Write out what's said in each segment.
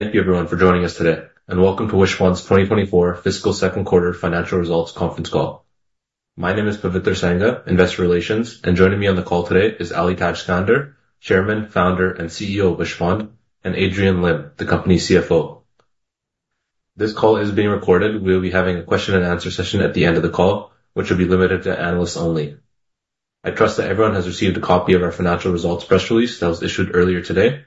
Thank you everyone for joining us today, and welcome to Wishpond's 2024 Fiscal Second Quarter Financial Results Conference Call. My name is Paviter Sangha, Investor Relations, and joining me on the call today is Ali Tajskandar, Chairman, Founder, and CEO of Wishpond, and Adrian Lim, the company's CFO. This call is being recorded. We'll be having a question and answer session at the end of the call, which will be limited to analysts only. I trust that everyone has received a copy of our financial results press release that was issued earlier today.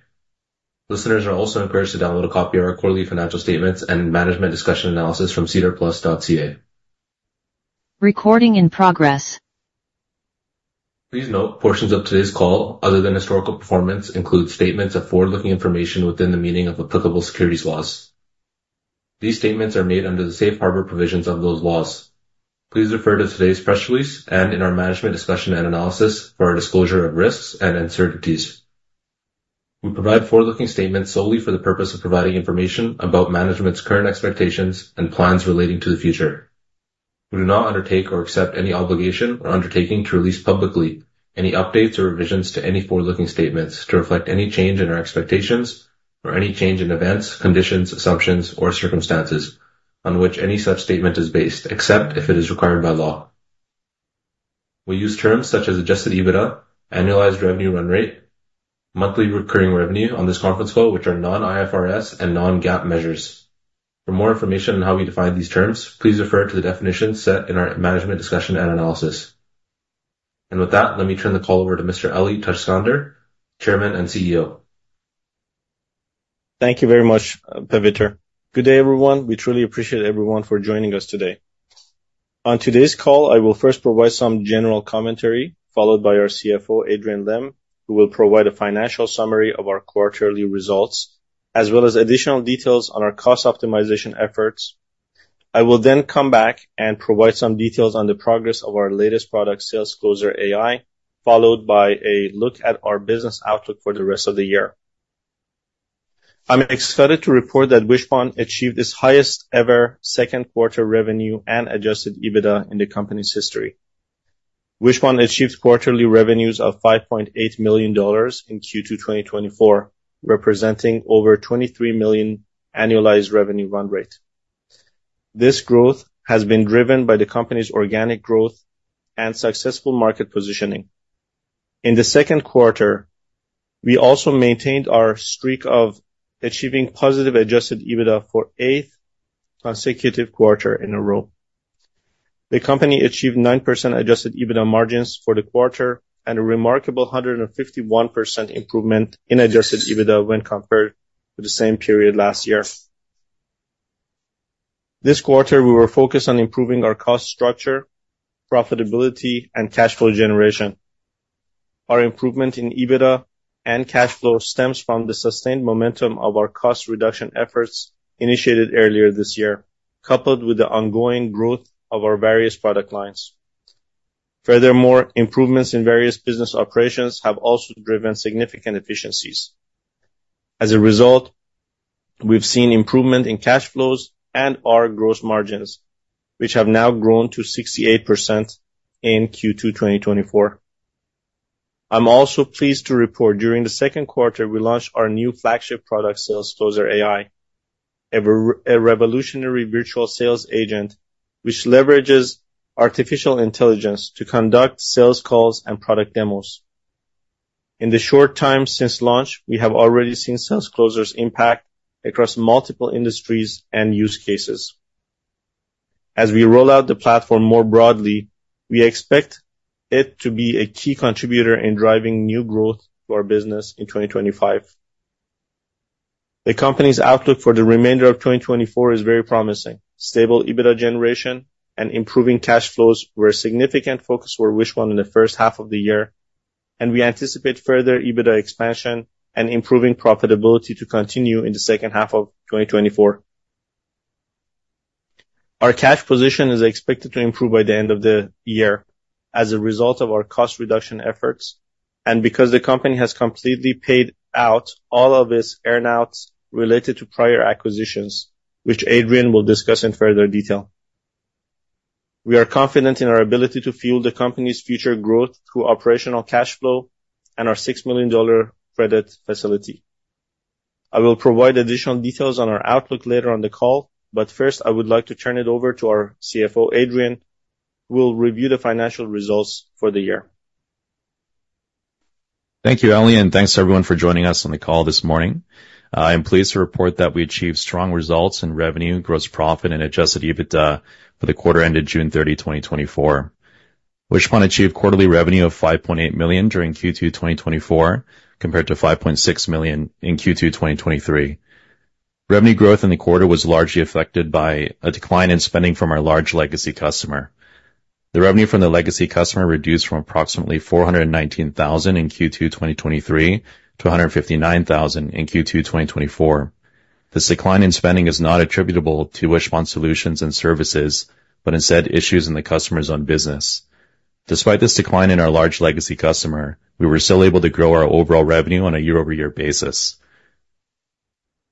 Listeners are also encouraged to download a copy of our quarterly financial statements and management discussion analysis from sedarplus.ca. Recording in progress. Please note, portions of today's call, other than historical performance, include statements of forward-looking information within the meaning of applicable securities laws. These statements are made under the Safe Harbor provisions of those laws. Please refer to today's press release and in our management discussion and analysis for our disclosure of risks and uncertainties. We provide forward-looking statements solely for the purpose of providing information about management's current expectations and plans relating to the future. We do not undertake or accept any obligation or undertaking to release publicly any updates or revisions to any forward-looking statements to reflect any change in our expectations or any change in events, conditions, assumptions, or circumstances on which any such statement is based, except if it is required by law. We use terms such as Adjusted EBITDA, Annualized Revenue Run Rate, Monthly Recurring Revenue on this conference call, which are non-IFRS and non-GAAP measures. For more information on how we define these terms, please refer to the definition set in our management discussion and analysis and with that, let me turn the call over to Mr. Ali Tajskandar, Chairman and CEO. Thank you very much, Paviter. Good day, everyone. We truly appreciate everyone for joining us today. On today's call, I will first provide some general commentary, followed by our CFO, Adrian Lim, who will provide a financial summary of our quarterly results, as well as additional details on our cost optimization efforts. I will then come back and provide some details on the progress of our latest product, SalesCloser AI, followed by a look at our business outlook for the rest of the year. I'm excited to report that Wishpond achieved its highest ever second quarter revenue and Adjusted EBITDA in the company's history. Wishpond achieved quarterly revenues of $5.8 million in Q2 2024, representing over $23 million annualized revenue run rate. This growth has been driven by the company's organic growth and successful market positioning. In the second quarter, we also maintained our streak of achieving positive Adjusted EBITDA for eighth consecutive quarter in a row. The company achieved 9% Adjusted EBITDA margins for the quarter and a remarkable 151% improvement in Adjusted EBITDA when compared to the same period last year. This quarter, we were focused on improving our cost structure, profitability, and cash flow generation. Our improvement in EBITDA and cash flow stems from the sustained momentum of our cost reduction efforts initiated earlier this year, coupled with the ongoing growth of our various product lines. Furthermore, improvements in various business operations have also driven significant efficiencies. As a result, we've seen improvement in cash flows and our gross margins, which have now grown to 68% in Q2 2024. I'm also pleased to report during the second quarter, we launched our new flagship product, SalesCloser AI, a revolutionary virtual sales agent, which leverages artificial intelligence to conduct sales calls and product demos. In the short time since launch, we have already seen SalesCloser's impact across multiple industries and use cases. As we roll out the platform more broadly, we expect it to be a key contributor in driving new growth to our business in 2025. The company's outlook for the remainder of 2024 is very promising. Stable EBITDA generation and improving cash flows were a significant focus for Wishpond in the first half of the year, and we anticipate further EBITDA expansion and improving profitability to continue in the second half of 2024. Our cash position is expected to improve by the end of the year as a result of our cost reduction efforts and because the company has completely paid out all of its earn-outs related to prior acquisitions, which Adrian will discuss in further detail. We are confident in our ability to fuel the company's future growth through operational cash flow and our $6 million credit facility. I will provide additional details on our outlook later on the call, but first, I would like to turn it over to our CFO, Adrian, who will review the financial results for the year. Thank you, Ali, and thanks to everyone for joining us on the call this morning. I am pleased to report that we achieved strong results in revenue, gross profit, and Adjusted EBITDA for the quarter ended June 30, 2024. Wishpond achieved quarterly revenue of $5.8 million during Q2 2024, compared to $5.6 million in Q2 2023. Revenue growth in the quarter was largely affected by a decline in spending from our large legacy customer. The revenue from the legacy customer reduced from approximately $419,000 in Q2 2023 to $159,000 in Q2 2024. This decline in spending is not attributable to Wishpond solutions and services, but instead, issues in the customer's own business. Despite this decline in our large legacy customer, we were still able to grow our overall revenue on a year-over-year basis.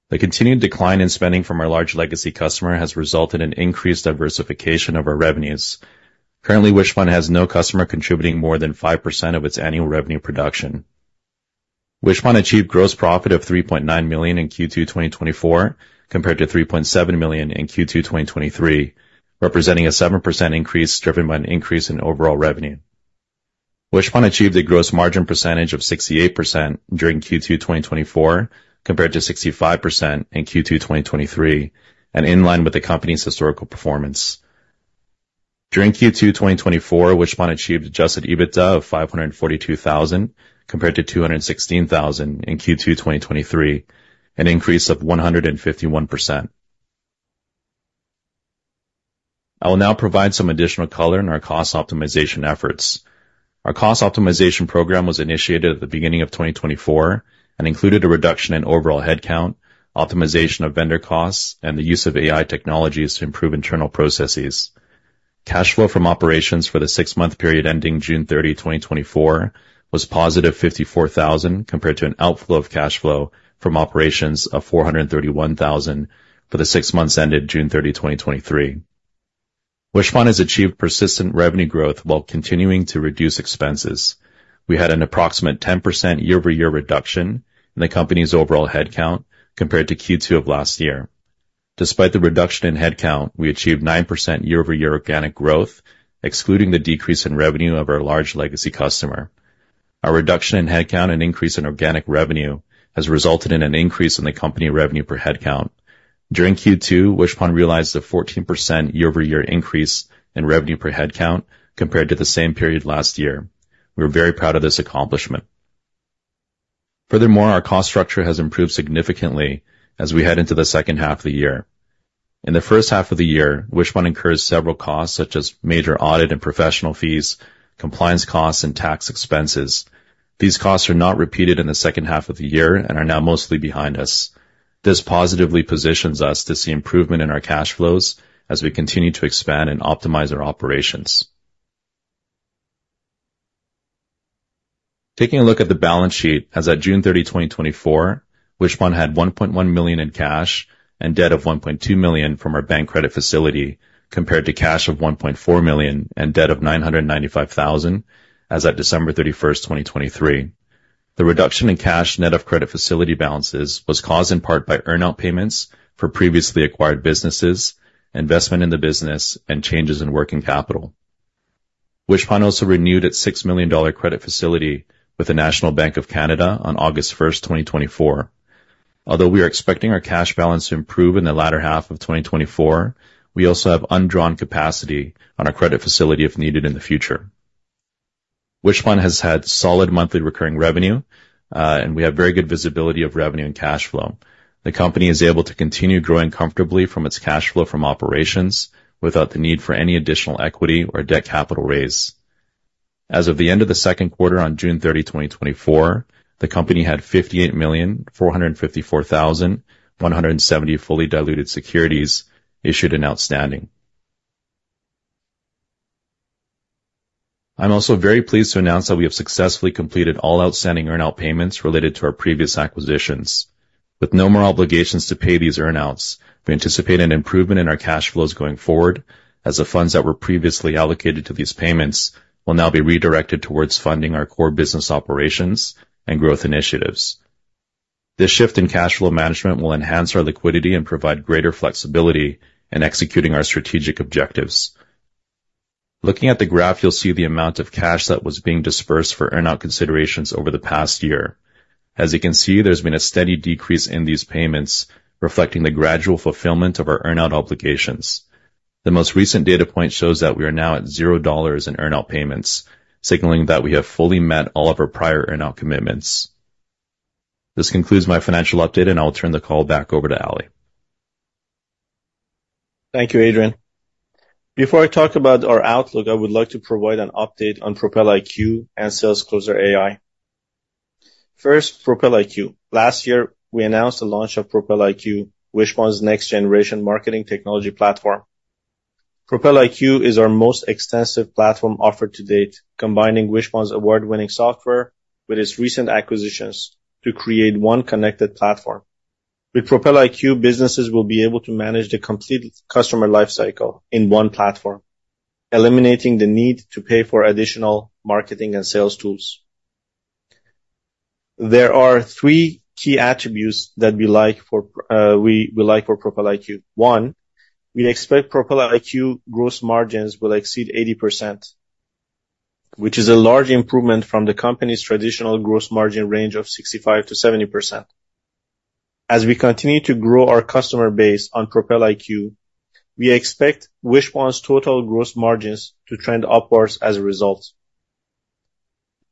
The continued decline in spending from our large legacy customer has resulted in increased diversification of our revenues. Currently, Wishpond has no customer contributing more than 5% of its annual revenue production. Wishpond achieved gross profit of $3.9 million in Q2 2024, compared to $3.7 million in Q2 2023, representing a 7% increase, driven by an increase in overall revenue. Wishpond achieved a gross margin percentage of 68% during Q2 2024, compared to 65% in Q2 2023, and in line with the company's historical performance. During Q2 2024, Wishpond achieved Adjusted EBITDA of $542,000, compared to $216,000 in Q2 2023, an increase of 151%. I will now provide some additional color on our cost optimization efforts. Our cost optimization program was initiated at the beginning of 2024 and included a reduction in overall headcount, optimization of vendor costs, and the use of AI technologies to improve internal processes. Cash flow from operations for the six-month period ending June 30, 2024, was positive $54,000, compared to an outflow of cash flow from operations of $431,000 for the six months ended June 30, 2023. Wishpond has achieved persistent revenue growth while continuing to reduce expenses. We had an approximate 10% year-over-year reduction in the company's overall headcount compared to Q2 of last year. Despite the reduction in headcount, we achieved 9% year-over-year organic growth, excluding the decrease in revenue of our large legacy customer. Our reduction in headcount and increase in organic revenue has resulted in an increase in the company revenue per headcount. During Q2, Wishpond realized a 14% year-over-year increase in revenue per headcount compared to the same period last year. We're very proud of this accomplishment. Furthermore, our cost structure has improved significantly as we head into the second half of the year. In the first half of the year, Wishpond incurs several costs, such as major audit and professional fees, compliance costs, and tax expenses. These costs are not repeated in the second half of the year and are now mostly behind us. This positively positions us to see improvement in our cash flows as we continue to expand and optimize our operations. Taking a look at the balance sheet, as at June 30, 2024, Wishpond had $1.1 million in cash and debt of $1.2 million from our bank credit facility, compared to cash of $1.4 million and debt of $995,000 as at December 31st, 2023. The reduction in cash net of credit facility balances was caused in part by earn-out payments for previously acquired businesses, investment in the business, and changes in working capital. Wishpond also renewed its $6 million credit facility with the National Bank of Canada on August 1st, 2024. Although we are expecting our cash balance to improve in the latter half of 2024, we also have undrawn capacity on our credit facility if needed in the future. Wishpond has had solid monthly recurring revenue, and we have very good visibility of revenue and cash flow. The company is able to continue growing comfortably from its cash flow from operations without the need for any additional equity or debt capital raise. As of the end of the second quarter on June 30th, 2024, the company had 58,454,170 fully diluted securities issued and outstanding. I'm also very pleased to announce that we have successfully completed all outstanding earn-out payments related to our previous acquisitions. With no more obligations to pay these earn-outs, we anticipate an improvement in our cash flows going forward, as the funds that were previously allocated to these payments will now be redirected towards funding our core business operations and growth initiatives. This shift in cash flow management will enhance our liquidity and provide greater flexibility in executing our strategic objectives. Looking at the graph, you'll see the amount of cash that was being dispersed for earn-out considerations over the past year. As you can see, there's been a steady decrease in these payments, reflecting the gradual fulfillment of our earn-out obligations. The most recent data point shows that we are now at $0 in earn-out payments, signaling that we have fully met all of our prior earn-out commitments. This concludes my financial update, and I'll turn the call back over to Ali. Thank you, Adrian. Before I talk about our outlook, I would like to provide an update on Propel IQ and SalesCloser AI. First, Propel IQ. Last year, we announced the launch of Propel IQ, Wishpond's next generation marketing technology platform. Propel IQ is our most extensive platform offered to date, combining Wishpond's award-winning software with its recent acquisitions to create one connected platform. With Propel IQ, businesses will be able to manage the complete customer life cycle in one platform, eliminating the need to pay for additional marketing and sales tools. There are three key attributes that we like for Propel IQ. One, we expect Propel IQ gross margins will exceed 80%, which is a large improvement from the company's traditional gross margin range of 65%-70%. As we continue to grow our customer base on Propel IQ, we expect Wishpond's total gross margins to trend upwards as a result.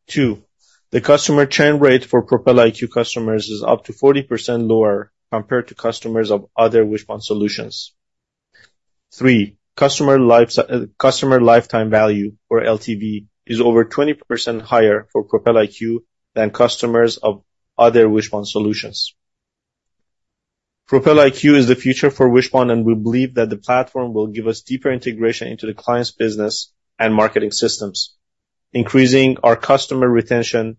Two, the customer churn rate for Propel IQ customers is up to 40% lower compared to customers of other Wishpond solutions. Three, customer lifetime value, or LTV, is over 20% higher for Propel IQ than customers of other Wishpond solutions. Propel IQ is the future for Wishpond, and we believe that the platform will give us deeper integration into the client's business and marketing systems, increasing our customer retention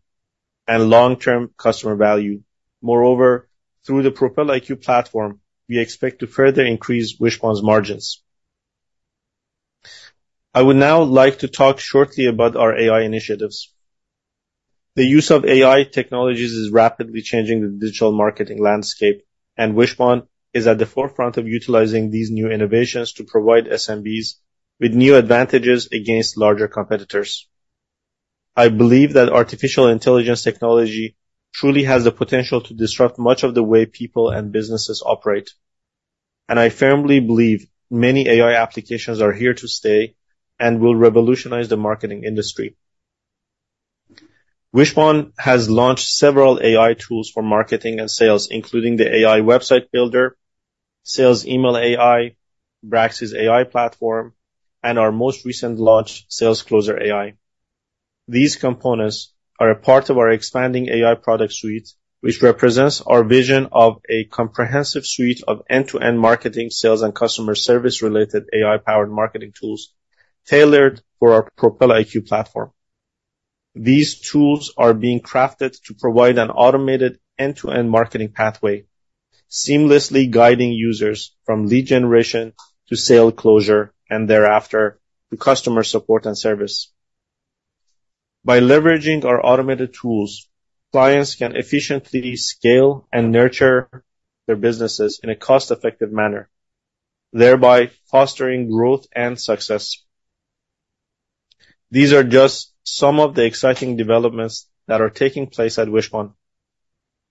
and long-term customer value. Moreover, through the Propel IQ platform, we expect to further increase Wishpond's margins. I would now like to talk shortly about our AI initiatives. The use of AI technologies is rapidly changing the digital marketing landscape, and Wishpond is at the forefront of utilizing these new innovations to provide SMBs with new advantages against larger competitors. I believe that artificial intelligence technology truly has the potential to disrupt much of the way people and businesses operate, and I firmly believe many AI applications are here to stay and will revolutionize the marketing industry. Wishpond has launched several AI tools for marketing and sales, including the AI Website Builder, Sales Email AI, Braxy's AI platform, and our most recent launch, SalesCloser AI. These components are a part of our expanding AI product suite, which represents our vision of a comprehensive suite of end-to-end marketing, sales, and customer service-related AI-powered marketing tools tailored for our Propel IQ platform. These tools are being crafted to provide an automated end-to-end marketing pathway, seamlessly guiding users from lead generation to sale closure and thereafter, to customer support and service. By leveraging our automated tools, clients can efficiently scale and nurture their businesses in a cost-effective manner, thereby fostering growth and success. These are just some of the exciting developments that are taking place at Wishpond.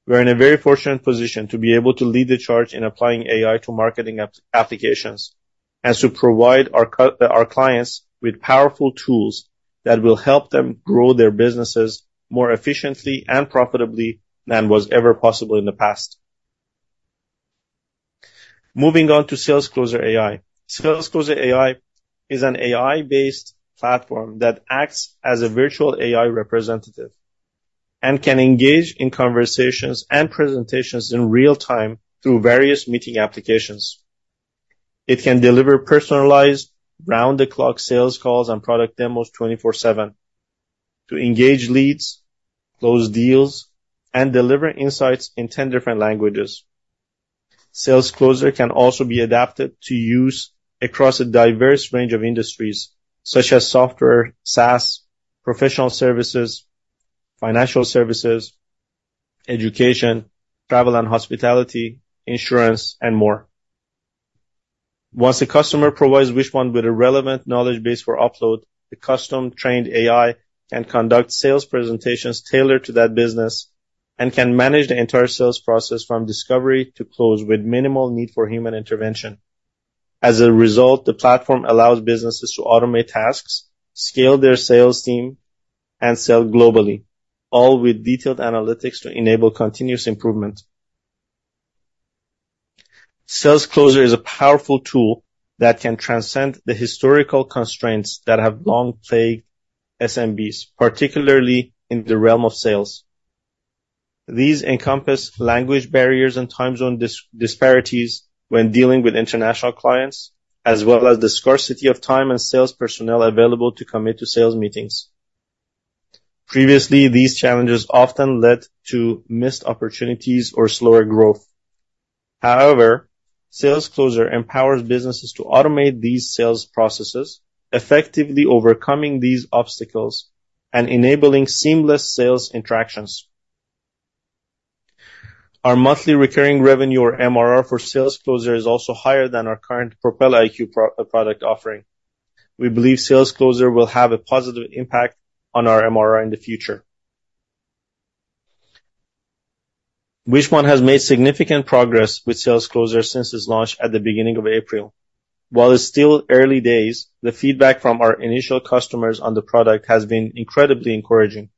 We're in a very fortunate position to be able to lead the charge in applying AI to marketing applications, and to provide our clients with powerful tools that will help them grow their businesses more efficiently and profitably than was ever possible in the past. Moving on to SalesCloser AI. SalesCloser AI is an AI-based platform that acts as a virtual AI representative and can engage in conversations and presentations in real time through various meeting applications. It can deliver personalized round-the-clock sales calls and product demos 24/7 to engage leads, close deals, and deliver insights in ten different languages. SalesCloser can also be adapted to use across a diverse range of industries such as software, SaaS, professional services, financial services, education, travel and hospitality, insurance, and more. Once a customer provides Wishpond with a relevant knowledge base for upload, the custom-trained AI can conduct sales presentations tailored to that business and can manage the entire sales process from discovery to close with minimal need for human intervention. As a result, the platform allows businesses to automate tasks, scale their sales team, and sell globally, all with detailed analytics to enable continuous improvement. SalesCloser is a powerful tool that can transcend the historical constraints that have long plagued SMBs, particularly in the realm of sales. These encompass language barriers and time zone disparities when dealing with international clients, as well as the scarcity of time and sales personnel available to commit to sales meetings. Previously, these challenges often led to missed opportunities or slower growth. However, SalesCloser empowers businesses to automate these sales processes, effectively overcoming these obstacles and enabling seamless sales interactions. Our monthly recurring revenue, or MRR, for SalesCloser is also higher than our current Propel IQ product offering. We believe SalesCloser will have a positive impact on our MRR in the future. Wishpond has made significant progress with SalesCloser since its launch at the beginning of April. While it's still early days, the feedback from our initial customers on the product has been incredibly encouraging.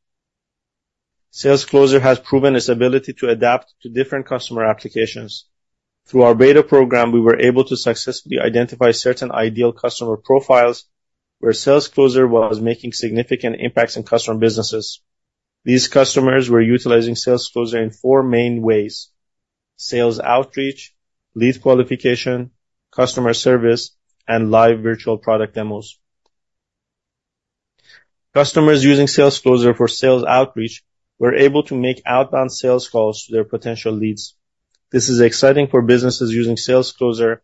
SalesCloser has proven its ability to adapt to different customer applications. Through our beta program, we were able to successfully identify certain ideal customer profiles where SalesCloser was making significant impacts in customer businesses. These customers were utilizing SalesCloser in four main ways: sales outreach, lead qualification, customer service, and live virtual product demos. Customers using SalesCloser for sales outreach were able to make outbound sales calls to their potential leads. This is exciting for businesses using SalesCloser,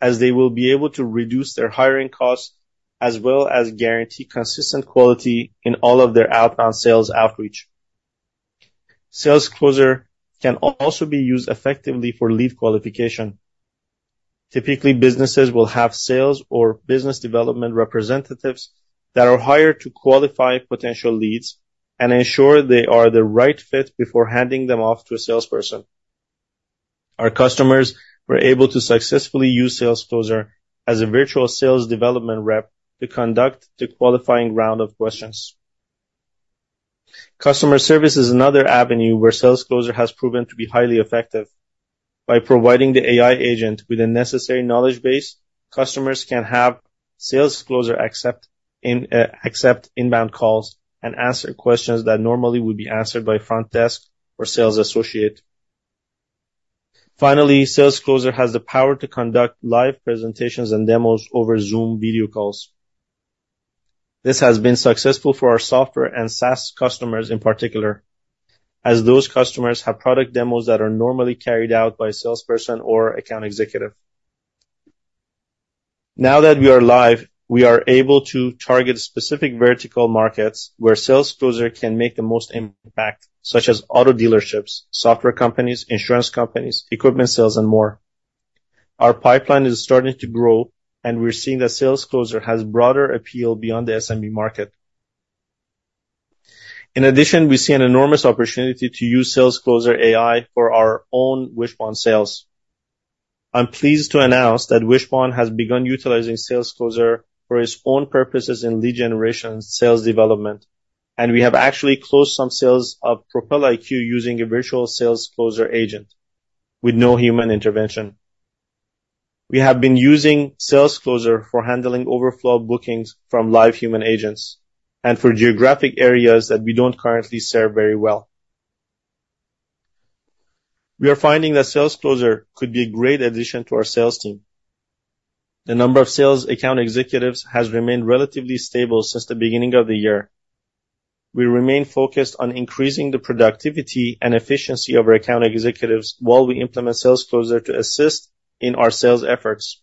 as they will be able to reduce their hiring costs as well as guarantee consistent quality in all of their outbound sales outreach. SalesCloser can also be used effectively for lead qualification. Typically, businesses will have sales or business development representatives that are hired to qualify potential leads and ensure they are the right fit before handing them off to a salesperson. Our customers were able to successfully use SalesCloser as a virtual sales development rep to conduct the qualifying round of questions. Customer service is another avenue where SalesCloser has proven to be highly effective. By providing the AI agent with the necessary knowledge base, customers can have SalesCloser accept inbound calls and answer questions that normally would be answered by a front desk or sales associate. Finally, SalesCloser has the power to conduct live presentations and demos over Zoom video calls. This has been successful for our software and SaaS customers in particular, as those customers have product demos that are normally carried out by a salesperson or account executive. Now that we are live, we are able to target specific vertical markets where SalesCloser can make the most impact, such as auto dealerships, software companies, insurance companies, equipment sales, and more. Our pipeline is starting to grow, and we're seeing that SalesCloser has broader appeal beyond the SMB market. In addition, we see an enormous opportunity to use SalesCloser AI for our own Wishpond sales. I'm pleased to announce that Wishpond has begun utilizing SalesCloser for its own purposes in lead generation sales development, and we have actually closed some sales of Propel IQ using a virtual sales closer agent with no human intervention. We have been using SalesCloser for handling overflow bookings from live human agents and for geographic areas that we don't currently serve very well. We are finding that SalesCloser could be a great addition to our sales team. The number of sales account executives has remained relatively stable since the beginning of the year. We remain focused on increasing the productivity and efficiency of our account executives while we implement SalesCloser to assist in our sales efforts.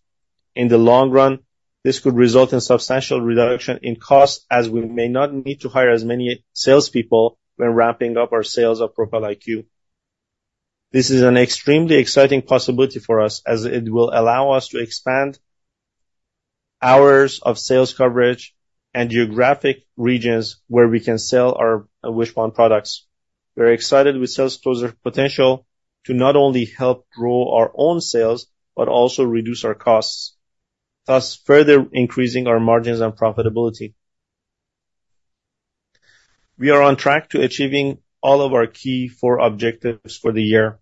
In the long run, this could result in substantial reduction in costs, as we may not need to hire as many salespeople when ramping up our sales of Propel IQ. This is an extremely exciting possibility for us as it will allow us to expand hours of sales coverage and geographic regions where we can sell our Wishpond products. We're excited with SalesCloser potential to not only help grow our own sales, but also reduce our costs, thus further increasing our margins and profitability. We are on track to achieving all of our key four objectives for the year.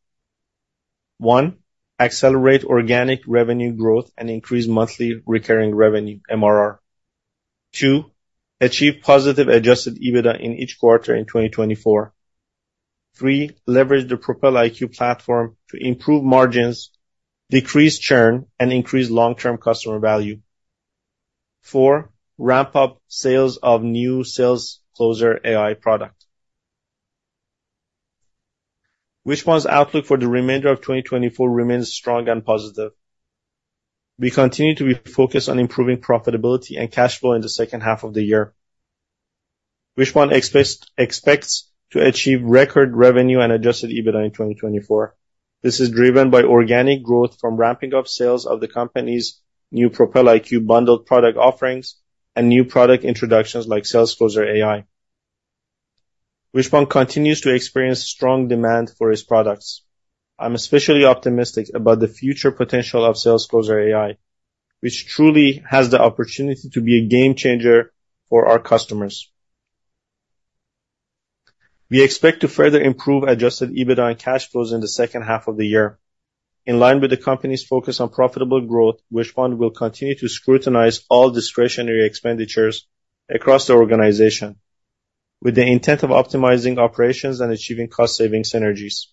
One, accelerate organic revenue growth and increase monthly recurring revenue, MRR. Two, achieve positive Adjusted EBITDA in each quarter in 2024. Three, leverage the Propel IQ platform to improve margins, decrease churn, and increase long-term customer value. Four, ramp up sales of new SalesCloser AI product. Wishpond's outlook for the remainder of 2024 remains strong and positive. We continue to be focused on improving profitability and cash flow in the second half of the year. Wishpond expects to achieve record revenue and Adjusted EBITDA in 2024. This is driven by organic growth from ramping up sales of the company's new Propel IQ bundled product offerings and new product introductions like SalesCloser AI. Wishpond continues to experience strong demand for its products. I'm especially optimistic about the future potential of SalesCloser AI, which truly has the opportunity to be a game changer for our customers. We expect to further improve Adjusted EBITDA and cash flows in the second half of the year. In line with the company's focus on profitable growth, Wishpond will continue to scrutinize all discretionary expenditures across the organization, with the intent of optimizing operations and achieving cost-saving synergies.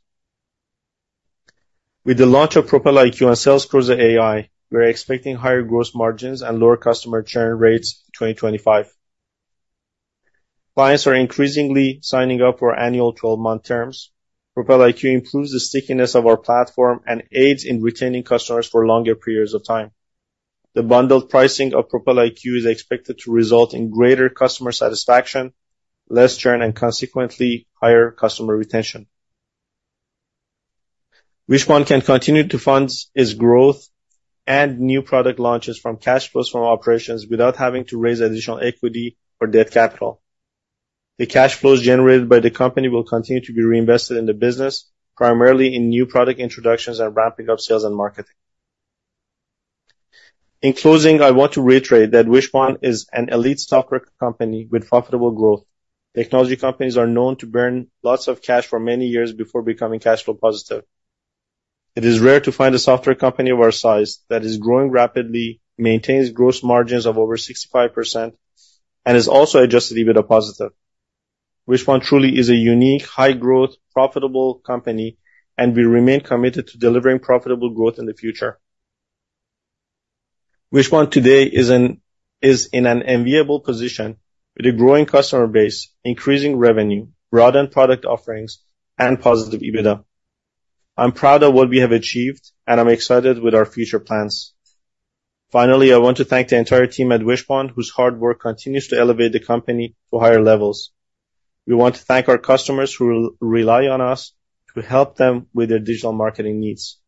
With the launch of Propel IQ and SalesCloser AI, we are expecting higher gross margins and lower customer churn rates in 2025. Clients are increasingly signing up for annual twelve-month terms. Propel IQ improves the stickiness of our platform and aids in retaining customers for longer periods of time. The bundled pricing of Propel IQ is expected to result in greater customer satisfaction, less churn, and consequently, higher customer retention. Wishpond can continue to fund its growth and new product launches from cash flows from operations without having to raise additional equity or debt capital. The cash flows generated by the company will continue to be reinvested in the business, primarily in new product introductions and ramping up sales and marketing. In closing, I want to reiterate that Wishpond is an elite software company with profitable growth. Technology companies are known to burn lots of cash for many years before becoming cash flow positive. It is rare to find a software company of our size that is growing rapidly, maintains gross margins of over 65%, and is also Adjusted EBITDA positive. Wishpond truly is a unique, high-growth, profitable company, and we remain committed to delivering profitable growth in the future. Wishpond today is in an enviable position with a growing customer base, increasing revenue, broadened product offerings, and positive EBITDA. I'm proud of what we have achieved, and I'm excited with our future plans. Finally, I want to thank the entire team at Wishpond, whose hard work continues to elevate the company to higher levels. We want to thank our customers who rely on us to help them with their digital marketing needs.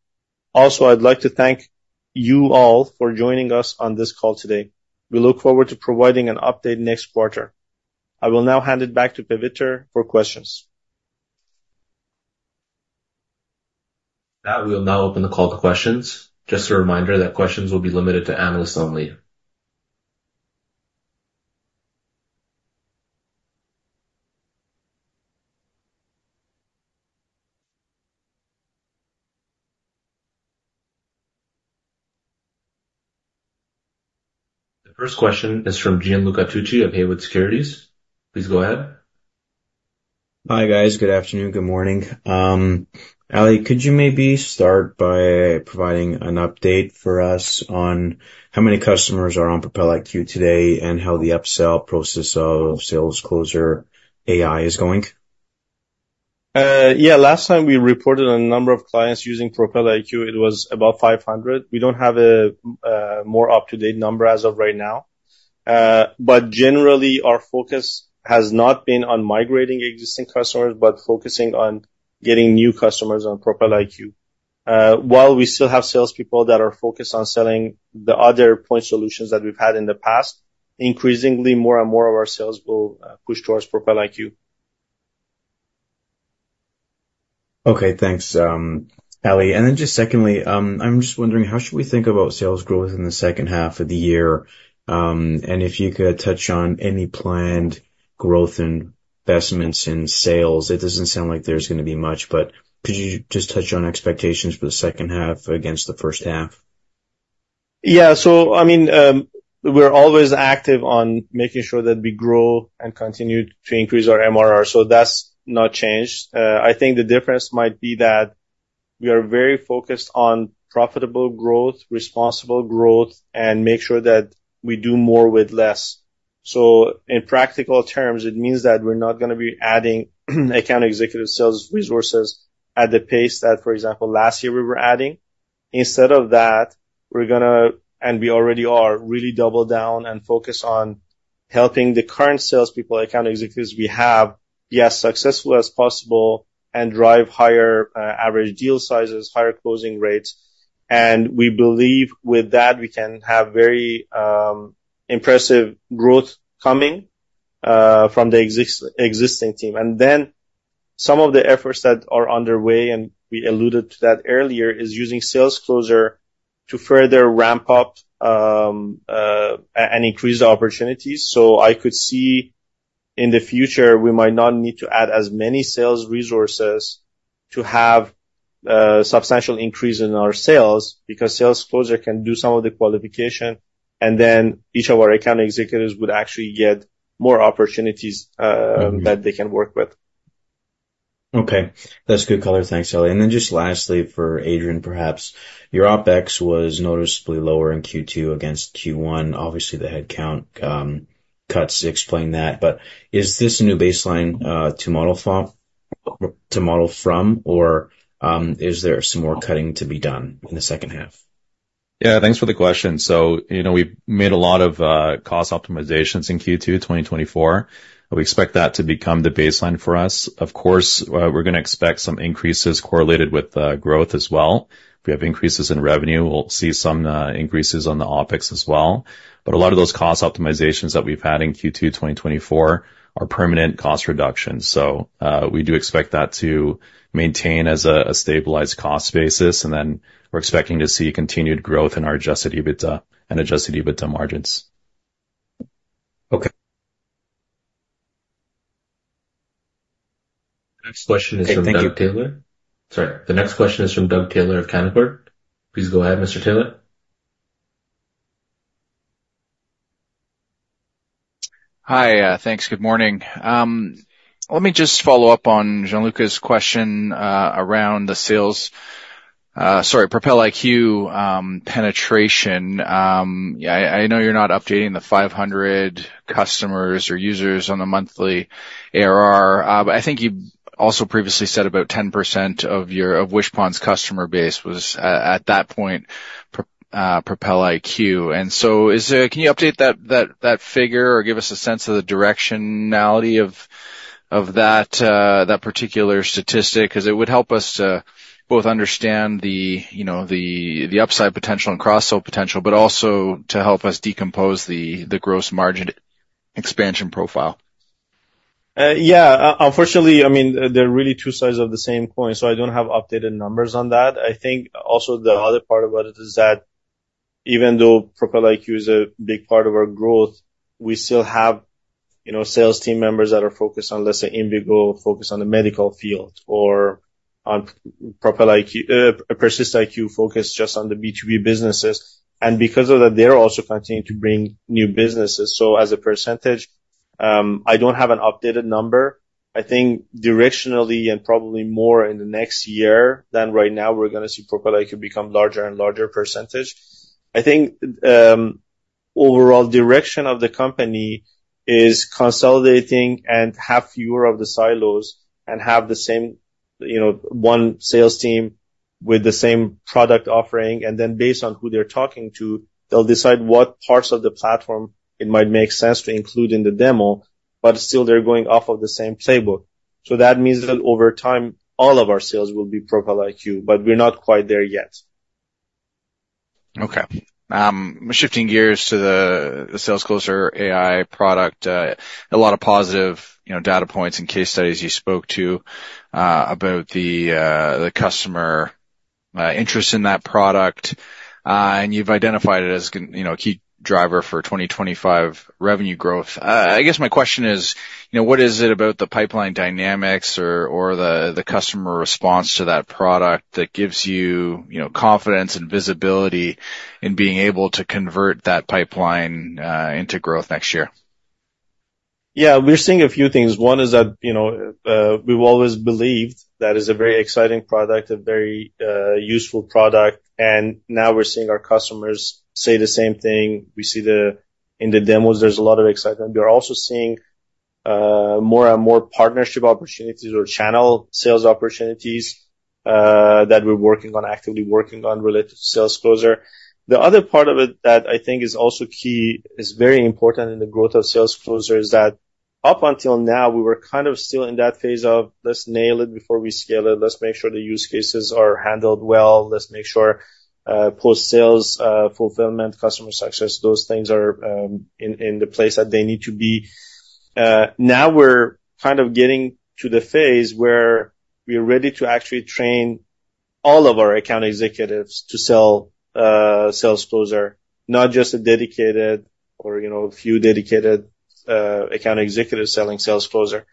Also, I'd like to thank you all for joining us on this call today. We look forward to providing an update next quarter. I will now hand it back to Paviter for questions. Now, we will open the call to questions. Just a reminder that questions will be limited to analysts only. ... The first question is from Gianluca Tucci of Haywood Securities. Please go ahead. Hi, guys. Good afternoon, good morning. Ali, could you maybe start by providing an update for us on how many customers are on Propel IQ today and how the upsell process of SalesCloser AI is going? Yeah, last time we reported on the number of clients using Propel IQ, it was about five hundred. We don't have a more up-to-date number as of right now, but generally, our focus has not been on migrating existing customers, but focusing on getting new customers on Propel IQ, while we still have salespeople that are focused on selling the other point solutions that we've had in the past, increasingly, more and more of our sales will push towards Propel IQ. Okay, thanks, Ali. And then just secondly, I'm just wondering, how should we think about sales growth in the second half of the year? And if you could touch on any planned growth investments in sales. It doesn't sound like there's gonna be much, but could you just touch on expectations for the second half against the first half? Yeah. So I mean, we're always active on making sure that we grow and continue to increase our MRR, so that's not changed. I think the difference might be that we are very focused on profitable growth, responsible growth, and make sure that we do more with less. So in practical terms, it means that we're not gonna be adding account executive sales resources at the pace that, for example, last year we were adding. Instead of that, we're gonna, and we already are, really double down and focus on helping the current salespeople, account executives we have, be as successful as possible and drive higher, average deal sizes, higher closing rates. And we believe with that, we can have very, impressive growth coming, from the existing team. And then some of the efforts that are underway, and we alluded to that earlier, is using SalesCloser to further ramp up, and increase the opportunities. So I could see in the future, we might not need to add as many sales resources to have, substantial increase in our sales, because SalesCloser can do some of the qualification, and then each of our account executives would actually get more opportunities, that they can work with. Okay. That's good color. Thanks, Ali. And then just lastly, for Adrian, perhaps, your OpEx was noticeably lower in Q2 against Q1. Obviously, the headcount cuts explain that, but is this a new baseline to model from? Or, is there some more cutting to be done in the second half? Yeah, thanks for the question. So, you know, we've made a lot of cost optimizations in Q2 2024. We expect that to become the baseline for us. Of course, we're gonna expect some increases correlated with growth as well. If we have increases in revenue, we'll see some increases on the OpEx as well. But a lot of those cost optimizations that we've had in Q2 2024 are permanent cost reductions, so we do expect that to maintain as a stabilized cost basis, and then we're expecting to see continued growth in our Adjusted EBITDA and Adjusted EBITDA margins. Okay. Next question is from Doug Taylor- Thank you. Sorry, the next question is from Doug Taylor of Canaccord. Please go ahead, Mr. Taylor. Hi, thanks. Good morning. Let me just follow up on Gianluca's question, around the sales, sorry, Propel IQ, penetration. Yeah, I know you're not updating the 500 customers or users on a monthly ARR, but I think you've also previously said about 10% of your- of Wishpond's customer base was, at that point, Propel IQ. And so is, can you update that figure or give us a sense of the directionality of that particular statistic? 'Cause it would help us both understand the, you know, the upside potential and cross-sell potential, but also to help us decompose the gross margin expansion profile. Yeah, unfortunately, I mean, they're really two sides of the same coin, so I don't have updated numbers on that. I think also the other part about it is that even though Propel IQ is a big part of our growth, we still have, you know, sales team members that are focused on, let's say, Invigo, focused on the medical field, or on Propel IQ, PersistIQ, focused just on the B2B businesses. And because of that, they're also continuing to bring new businesses. So as a percentage, I don't have an updated number. I think directionally, and probably more in the next year than right now, we're gonna see Propel IQ become larger and larger percentage. I think, overall direction of the company is consolidating and have fewer of the silos and have the same, you know, one sales team with the same product offering, and then based on who they're talking to, they'll decide what parts of the platform it might make sense to include in the demo, but still they're going off of the same playbook, so that means that over time, all of our sales will be Propel IQ, but we're not quite there yet. Okay. Shifting gears to the SalesCloser AI product, a lot of positive, you know, data points and case studies you spoke to about the customer interest in that product, and you've identified it as, you know, a key driver for 2025 revenue growth. I guess my question is, you know, what is it about the pipeline dynamics or the customer response to that product that gives you, you know, confidence and visibility in being able to convert that pipeline into growth next year? ... Yeah, we're seeing a few things. One is that, you know, we've always believed that is a very exciting product, a very, useful product, and now we're seeing our customers say the same thing. We see in the demos, there's a lot of excitement. We are also seeing, more and more partnership opportunities or channel sales opportunities, that we're working on, actively working on related to SalesCloser. The other part of it that I think is also key, is very important in the growth of SalesCloser, is that up until now, we were kind of still in that phase of, let's nail it before we scale it. Let's make sure the use cases are handled well. Let's make sure, post-sales, fulfillment, customer success, those things are, in the place that they need to be. Now we're kind of getting to the phase where we are ready to actually train all of our account executives to sell SalesCloser, not just a few dedicated account executives selling SalesCloser.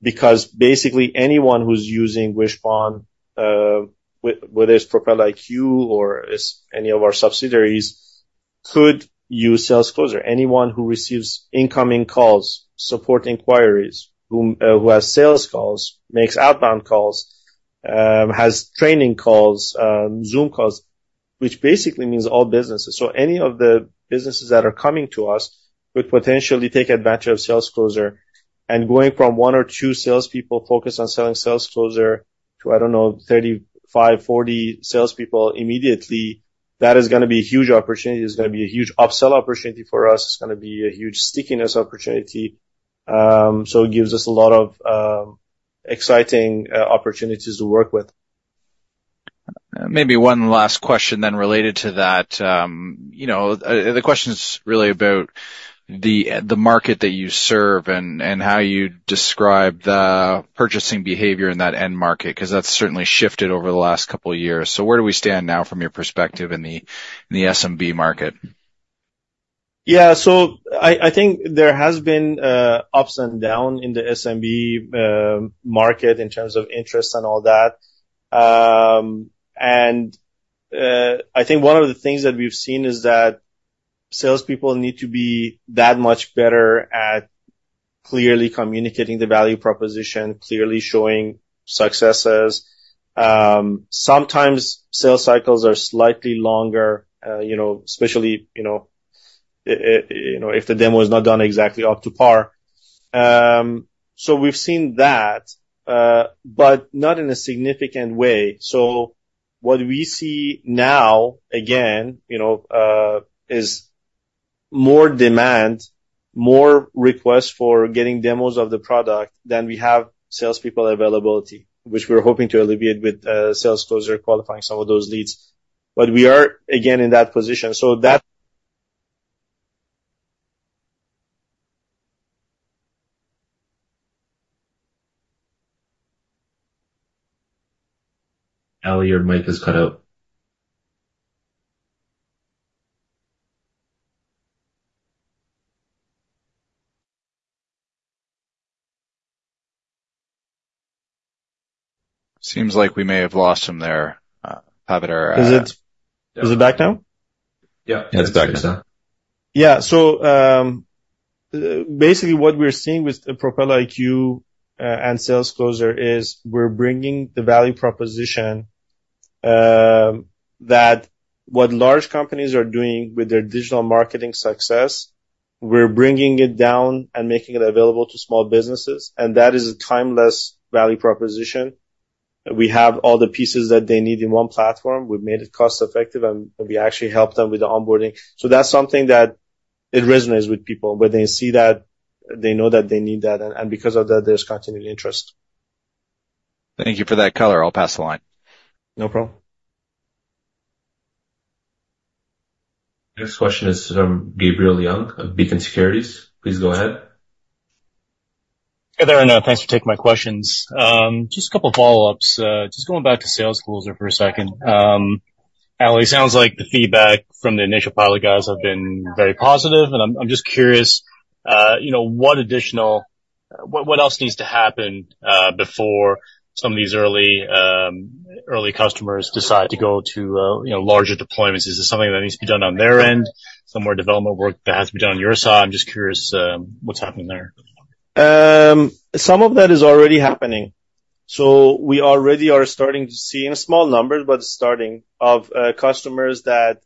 Because basically, anyone who's using Wishpond, whether it's Propel IQ or it's any of our subsidiaries, could use SalesCloser. Anyone who receives incoming calls, support inquiries, who has sales calls, makes outbound calls, has training calls, Zoom calls, which basically means all businesses. So any of the businesses that are coming to us could potentially take advantage of SalesCloser. Going from one or two salespeople focused on selling SalesCloser to, I don't know, 35, 40 salespeople immediately, that is gonna be a huge opportunity. It's gonna be a huge upsell opportunity for us. It's gonna be a huge stickiness opportunity, so it gives us a lot of exciting opportunities to work with. Maybe one last question then related to that. You know, the question is really about the market that you serve and how you describe the purchasing behavior in that end market, 'cause that's certainly shifted over the last couple of years. So where do we stand now from your perspective in the SMB market? Yeah. So I think there has been ups and down in the SMB market in terms of interest and all that. And I think one of the things that we've seen is that salespeople need to be that much better at clearly communicating the value proposition, clearly showing successes. Sometimes sales cycles are slightly longer, you know, especially, you know, if the demo is not done exactly up to par. So we've seen that, but not in a significant way. So what we see now, again, you know, is more demand, more requests for getting demos of the product than we have salespeople availability, which we're hoping to alleviate with SalesCloser, qualifying some of those leads. But we are, again, in that position. So that- Ali, your mic is cut out. Seems like we may have lost him there. Is it, is it back now? Yeah. It's back, sir. Yeah. So, basically what we're seeing with Propel IQ, and SalesCloser is we're bringing the value proposition, that what large companies are doing with their digital marketing success, we're bringing it down and making it available to small businesses, and that is a timeless value proposition. We have all the pieces that they need in one platform. We've made it cost-effective, and, and we actually help them with the onboarding. So that's something that it resonates with people, where they see that, they know that they need that, and, and because of that, there's continued interest. Thank you for that color. I'll pass the line. No problem. Next question is from Gabriel Leung of Beacon Securities. Please go ahead. Hey there, and, thanks for taking my questions. Just a couple of follow-ups. Just going back to SalesCloser for a second. Ali, it sounds like the feedback from the initial pilot guys have been very positive, and I'm just curious, you know, what else needs to happen before some of these early customers decide to go to, you know, larger deployments? Is this something that needs to be done on their end, some more development work that has to be done on your side? I'm just curious, what's happening there. Some of that is already happening, so we already are starting to see in small numbers customers that.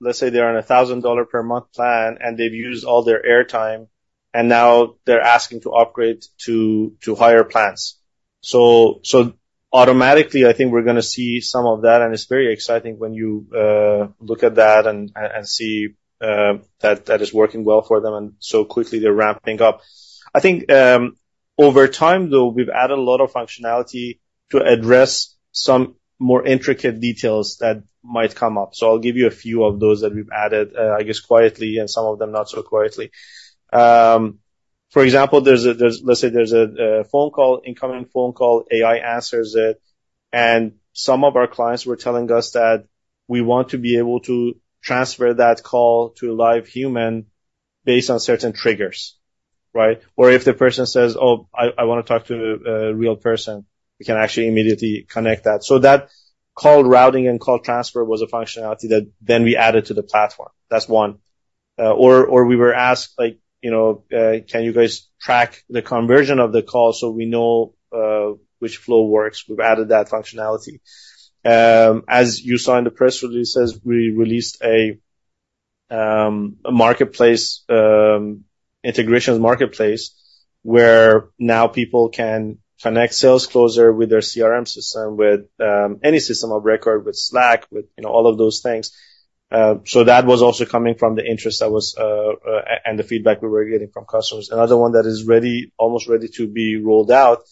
Let's say they're on a $1,000 per month plan, and they've used all their airtime, and now they're asking to upgrade to higher plans, so automatically, I think we're gonna see some of that, and it's very exciting when you look at that and see that is working well for them, and so quickly they're ramping up. I think over time, though, we've added a lot of functionality to address some more intricate details that might come up, so I'll give you a few of those that we've added, I guess, quietly, and some of them not so quietly. For example, there's a phone call, incoming phone call. AI answers it, and some of our clients were telling us that we want to be able to transfer that call to a live human based on certain triggers, right? Or if the person says, "Oh, I wanna talk to a real person," we can actually immediately connect that. Call routing and call transfer was a functionality that then we added to the platform. That's one. Or we were asked, like, you know, can you guys track the conversion of the call so we know which flow works? We've added that functionality. As you saw in the press releases, we released a marketplace, integrations marketplace, where now people can connect SalesCloser with their CRM system, with any system of record, with Slack, with, you know, all of those things. So that was also coming from the interest that was and the feedback we were getting from customers. Another one that is ready, almost ready to be rolled out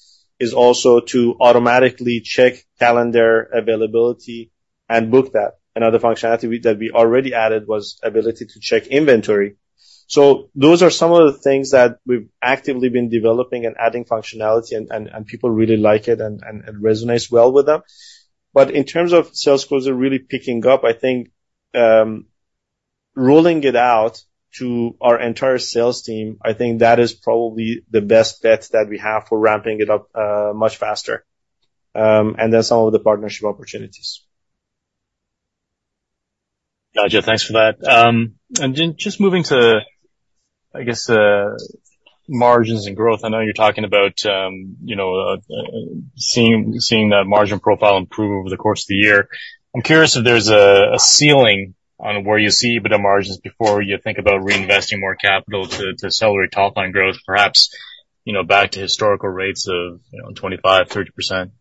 is also to automatically check calendar availability and book that. Another functionality that we already added was ability to check inventory. So those are some of the things that we've actively been developing and adding functionality, and people really like it and resonates well with them. But in terms of SalesCloser really picking up, I think, rolling it out to our entire sales team, I think that is probably the best bet that we have for ramping it up, much faster, and then some of the partnership opportunities. Gotcha. Thanks for that, and then just moving to, I guess, margins and growth. I know you're talking about, you know, seeing that margin profile improve over the course of the year. I'm curious if there's a ceiling on where you see EBITDA margins before you think about reinvesting more capital to accelerate top line growth, perhaps, you know, back to historical rates of, you know, 25%-30%.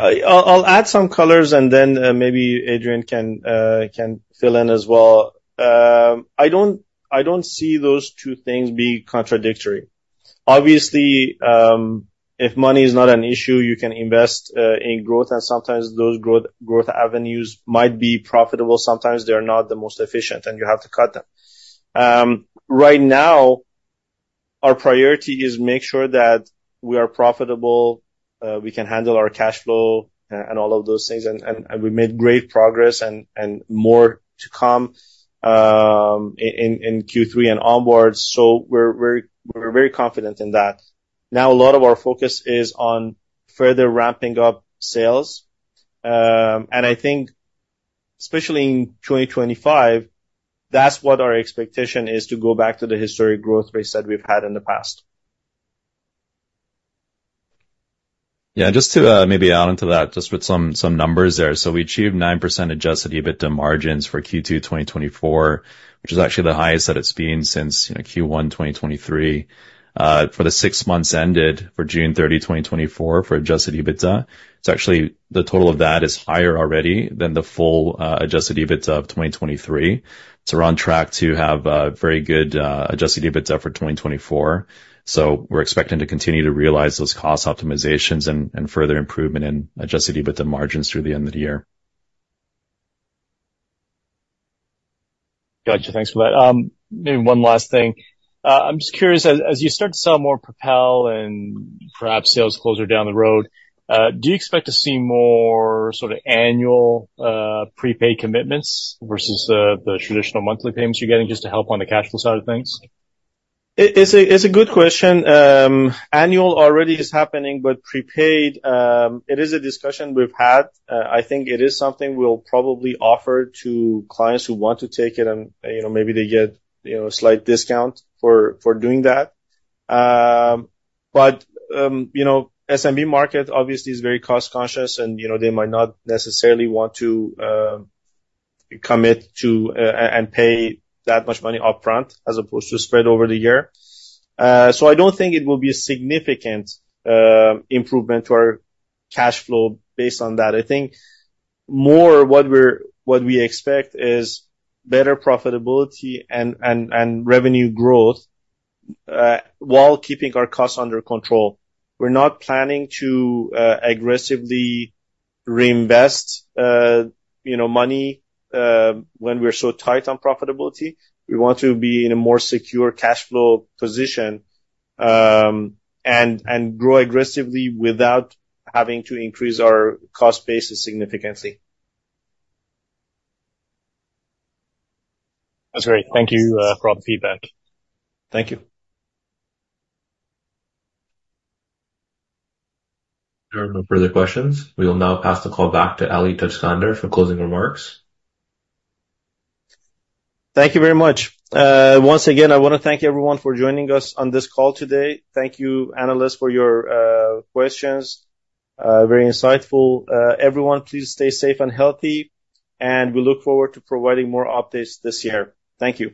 I'll add some colors, and then maybe Adrian can fill in as well. I don't see those two things being contradictory. Obviously, if money is not an issue, you can invest in growth, and sometimes those growth avenues might be profitable. Sometimes they're not the most efficient, and you have to cut them. Right now, our priority is make sure that we are profitable, we can handle our cash flow, and all of those things, and we made great progress and more to come in Q3 and onwards. So we're very confident in that. Now, a lot of our focus is on further ramping up sales. And I think especially in 2025, that's what our expectation is, to go back to the historic growth rates that we've had in the past. Yeah, just to maybe add on to that, just with some numbers there. So we achieved 9% adjusted EBITDA margins for Q2 2024, which is actually the highest that it's been since, you know, Q1 2023. For the six months ended June 30th, 2024, for adjusted EBITDA, it's actually the total of that is higher already than the full adjusted EBITDA of 2023. So we're on track to have a very good adjusted EBITDA for 2024. So we're expecting to continue to realize those cost optimizations and further improvement in adjusted EBITDA margins through the end of the year. Gotcha. Thanks for that. Maybe one last thing. I'm just curious, as you start to sell more Propel and perhaps SalesCloser down the road, do you expect to see more sort of annual, prepaid commitments versus the traditional monthly payments you're getting just to help on the cash flow side of things? It's a good question. Annual already is happening, but prepaid, it is a discussion we've had. I think it is something we'll probably offer to clients who want to take it and, you know, maybe they get, you know, a slight discount for doing that. But, you know, SMB market obviously is very cost conscious and, you know, they might not necessarily want to commit to and pay that much money upfront as opposed to spread over the year. So I don't think it will be a significant improvement to our cash flow based on that. I think more what we expect is better profitability and revenue growth, while keeping our costs under control. We're not planning to aggressively reinvest, you know, money, when we're so tight on profitability. We want to be in a more secure cash flow position, and grow aggressively without having to increase our cost base significantly. That's great. Thank you, for all the feedback. Thank you. There are no further questions. We will now pass the call back to Ali Tajskandar for closing remarks. Thank you very much. Once again, I want to thank everyone for joining us on this call today. Thank you, analysts, for your questions. Very insightful. Everyone, please stay safe and healthy, and we look forward to providing more updates this year. Thank you.